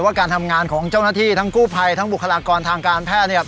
การทำงานของเจ้าหน้าที่ทั้งกู้ภัยทั้งบุคลากรทางการแพทย์เนี่ย